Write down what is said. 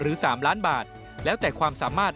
๔เงินจากการจัดกิจกรรมระดมทุนเช่นจัดระดมทุนขายโต๊ะจีน